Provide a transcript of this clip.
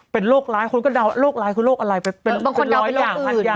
เป็นโรคร้ายคนก็เดาโรคร้ายคือโรคอะไรเป็นเป็นบางคนเดาเป็นอย่างอื่น